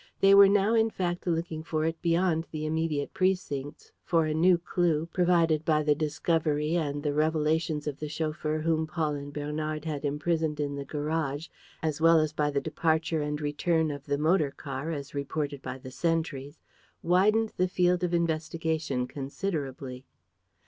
They were now in fact looking for it beyond the immediate precincts, for a new clue, provided by the discovery and the revelations of the chauffeur whom Paul and Bernard had imprisoned in the garage, as well as by the departure and return of the motor car, as reported by the sentries, widened the field of investigation considerably.